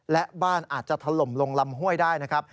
และบ้านอาจจะถล่มลงลำห้วยได้นะครับ